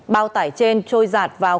bao tải trên trôi giạt vào